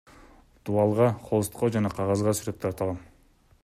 Дубалга, холстко жана кагазга сүрөт тарта алам.